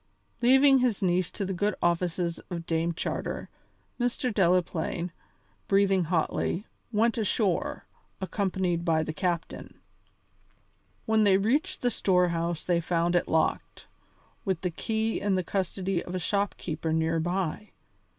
Leaving his niece to the good offices of Dame Charter, Mr. Delaplaine, breathing hotly, went ashore, accompanied by the captain. When they reached the storehouse they found it locked, with the key in the custody of a shop keeper near by.